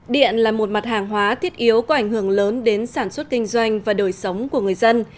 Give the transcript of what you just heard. điện là một mặt hàng hóa thiết yếu có ảnh hưởng lớn đến sản xuất kinh doanh và đời sống của người dân